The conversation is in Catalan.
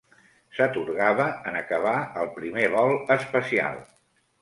S'atorgava en acabar el primer vol espacial.